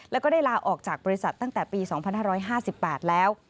แล้วก็ได้ลาออกจากบริษัทตั้งแต่ปี๒๕๕๘แล้ว